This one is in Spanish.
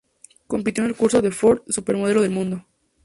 Compitió en el concurso de Ford, "Supermodelo del Mundo".